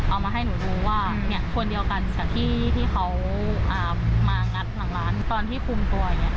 เอามาให้หนูรู้ว่าคนเดียวกันกับที่เขามางัดหลังร้านตอนที่คุมตัวอย่างนี้